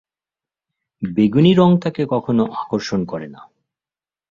বেগুনি রঙ তাঁকে কখনো আকর্ষণ করে না।